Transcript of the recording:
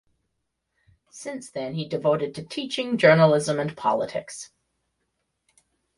Since then he devoted to teaching, journalism and politics.